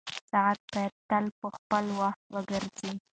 ساعت باید تل په خپل وخت وګرځي.